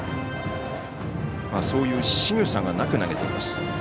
そういうしぐさがなく投げています。